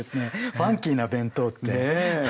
ファンキーな弁当って。ね。